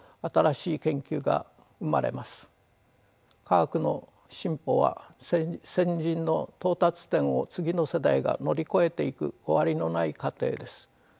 科学の進歩は先人の到達点を次の世代が乗り越えていく終わりのない過程です。